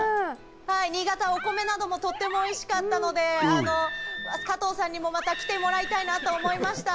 新潟、とってもお米などもおいしかったので、加藤さんにもまた来てもらいたいなと思いました。